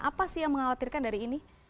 apa sih yang mengkhawatirkan dari ini